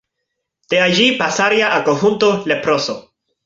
De allí pasaría a conjunto "Leproso".